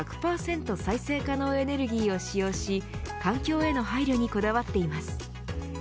再生可能エネルギーを使用し環境への配慮にこだわっています。